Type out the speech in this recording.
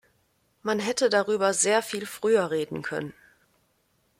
Man hätte darüber sehr viel früher reden können.